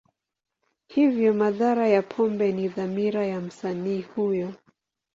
Hivyo, madhara ya pombe ni dhamira ya msanii huyo.